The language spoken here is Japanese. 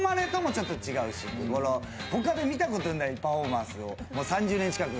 ちょっと違うし、他で見たことないパフォーマンスを３０年近く。